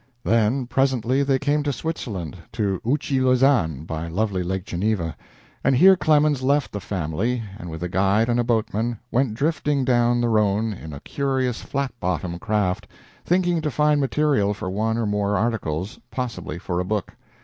Then, presently, they came to Switzerland, to Ouchy Lausanne, by lovely Lake Geneva, and here Clemens left the family and, with a guide and a boatman, went drifting down the Rhone in a curious, flat bottomed craft, thinking to find material for one or more articles, possibly for a book.